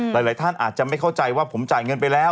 หลายท่านอาจจะไม่เข้าใจว่าผมจ่ายเงินไปแล้ว